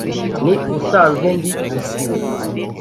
Ni usanzwe ndi isibo.